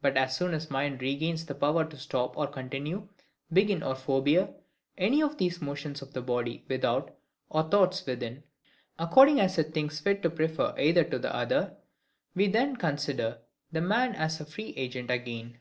But as soon as the mind regains the power to stop or continue, begin or forbear, any of these motions of the body without, or thoughts within, according as it thinks fit to prefer either to the other, we then consider the man as a FREE AGENT again.